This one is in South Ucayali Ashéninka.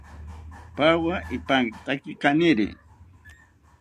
Pawa ipankitaki kaniri